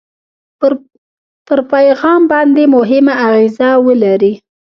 پر پیغام باندې مهمه اغېزه ولري.